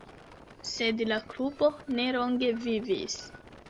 Sed la klubo ne longe vivis.